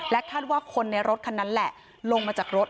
คาดว่าคนในรถคันนั้นแหละลงมาจากรถ